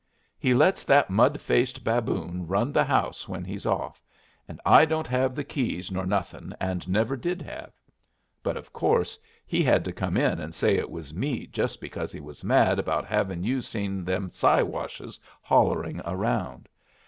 He lets that mud faced baboon run the house when he's off, and I don't have the keys nor nothing, and never did have. But of course he had to come in and say it was me just because he was mad about having you see them Siwashes hollering around.